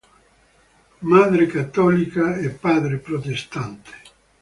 Madre cattolica e padre protestante.